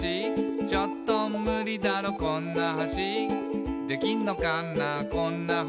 「ちょっとムリだろこんな橋」「できんのかなこんな橋」